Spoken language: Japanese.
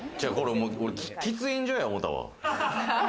喫煙所や思ったわ。